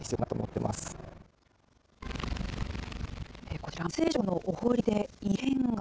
こちら、松江城のお堀で、異変が。